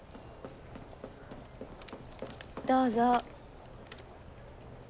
どうぞ。